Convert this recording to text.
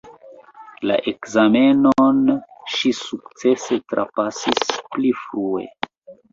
La ekzamenon ŝi sukcese trapasis pli frue.